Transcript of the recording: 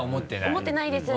思ってないです。